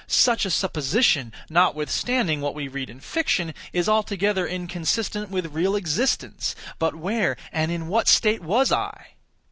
Such a supposition, notwithstanding what we read in fiction, is altogether inconsistent with real existence;—but where and in what state was I?